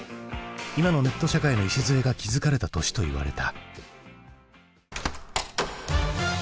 今のネット社会の礎が築かれた年といわれた。